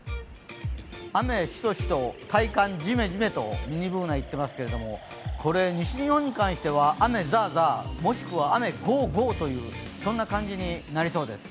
雨しとしと体感ジメジメ！とミニＢｏｏｎａ言ってますけど、これ、西日本に関しては雨ザーザー、もしくは雨ゴーゴーというそんな感じになりそうです。